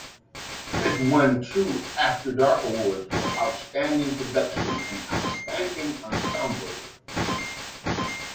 It won two After Dark Awards for Outstanding Production and Outstanding Ensemble.